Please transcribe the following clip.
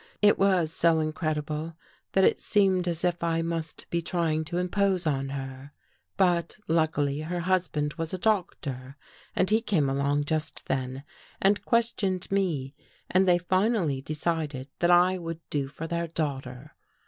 It was so incredible that it seemed as if I must be trying to impose on her. But luckily her husband was a doc tor and he came along just then and questioned me and they finally decided that I would do for their daughter.